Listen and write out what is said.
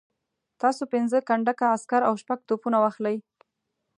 تاسو پنځه کنډکه عسکر او شپږ توپونه واخلئ.